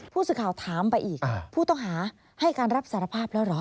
ผู้สื่อข่าวถามไปอีกผู้ต้องหาให้การรับสารภาพแล้วเหรอ